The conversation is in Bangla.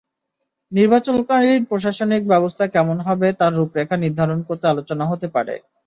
নির্বাচনকালীন প্রশাসনিক ব্যবস্থা কেমন হবে, তার রূপরেখা নির্ধারণ করতে আলোচনা হতে পারে।